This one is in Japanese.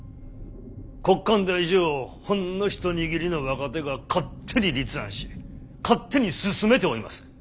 国家ん大事をほんの一握りの若手が勝手に立案し勝手に進めておいもす。